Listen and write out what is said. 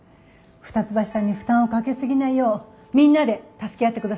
二ツ橋さんに負担をかけ過ぎないようみんなで助け合ってくださいね。